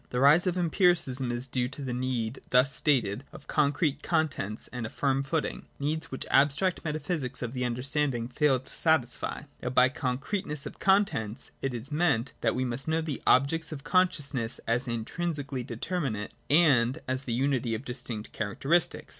The rise of Empiricism is due to the need thus stated of concrete contents, and a firm footing — needs which the ab stract metaphysic of the understanding failed to satisfy. Now by concreteness of contents it is meant that we must know the objects of consciousness as intrinsically determinate and as the unity of distinct characteristics.